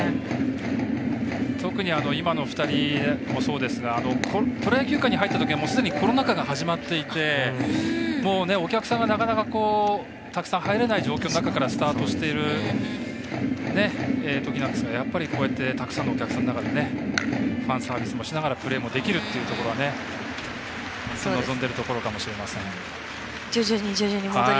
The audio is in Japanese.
特に今の２人もそうですがプロ野球界に入ったときにはすでにコロナが始まっていて、もうお客さんがなかなか、たくさん入れない状況の中からスタートしてるときでたくさんのお客さんの前でプレーできるというのを本当に望んでいるところかもしれません。